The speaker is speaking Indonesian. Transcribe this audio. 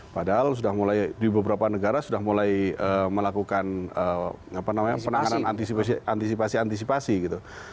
padahal sudah mulai di beberapa negara sudah mulai melakukan penanganan antisipasi antisipasi gitu